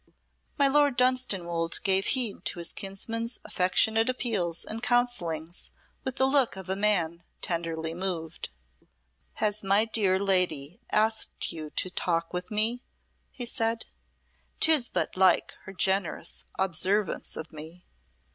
My Lord Dunstanwolde gave heed to his kinsman's affectionate appeals and counsellings with the look of a man tenderly moved. "Has my dear lady asked you to talk with me?" he said. "'Tis but like her generous observance of me.